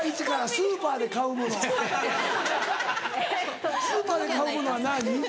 スーパーで買うものは何？